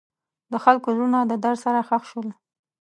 د خلکو زړونه د درد سره ښخ شول.